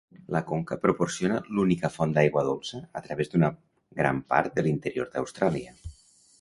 La conca proporciona l'única font d'aigua dolça a través d'una gran part de l'interior d'Austràlia.